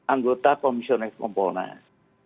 anggota komisioner kompolnas